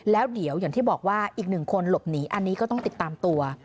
แล้วเดี๋ยวอย่างที่บอกว่าอีกหนึ่งคนหลบหนีอันนี้ก็ต้องติดตามตัว